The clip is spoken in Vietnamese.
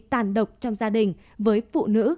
tàn độc trong gia đình với phụ nữ